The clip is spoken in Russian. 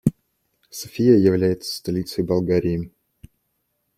София является столицей Болгарии.